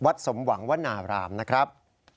สมหวังวนารามนะครับ